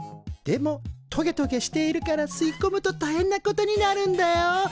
でもトゲトゲしているから吸いこむとたいへんなことになるんだよ。